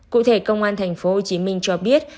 cụ thể công an tp hcm cho biết